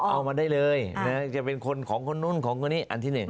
เอามาได้เลยจะเป็นคนของคนนู้นของคนนี้อันที่๑